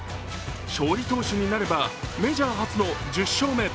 勝利投手になればメジャー初の１０勝目。